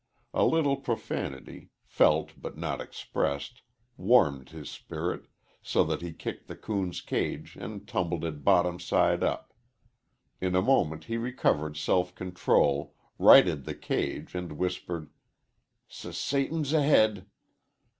A little profanity, felt but not expressed, warmed his spirit, so that he kicked the coon's cage and tumbled it bottom side up. In a moment he recovered self control, righted the cage, and whispered, "S Satan's ahead!"